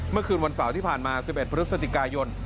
เมื่อคืนวันเสาร์ที่ผ่านมา๑๑พฤศจิกายน